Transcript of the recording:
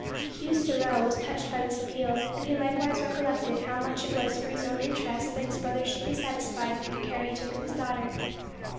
Hugh Sorel was touched by this appeal, and he likewise recollected how much it was for his own interest that his brother should be satisfied with the care he took of his daughter.